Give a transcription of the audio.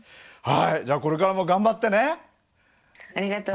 じゃあこれからも頑張ってね。